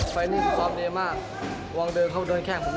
ไปนี่ผมซ่อมดีมากหวังเดินเข้าเดินแข้งผมล่ะ